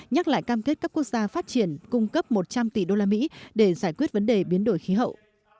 nhắc lại cam kết các quốc gia phát triển cung cấp một trăm linh tỷ usd để giải quyết vấn đề biến đổi khí hậu